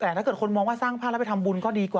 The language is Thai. แต่ถ้าเกิดคนมองว่าสร้างผ้าแล้วไปทำบุญก็ดีกว่า